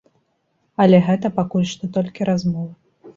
Але гэта пакуль што толькі размовы.